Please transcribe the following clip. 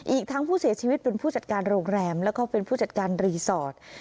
อีกทั้งผู้เสียชีวิตเป็นผู้จัดการโรงแรมแล้วก็เป็นผู้จัดการรีสอร์ท